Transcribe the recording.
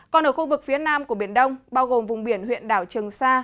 còn ở khu vực phía nam của biển đông bao gồm vùng biển huyện đảo trường sa